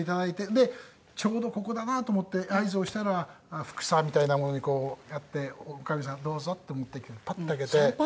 でちょうどここだなと思って合図をしたら袱紗みたいなものにこうやって女将さん「どうぞ」って持ってきてパッと開けて。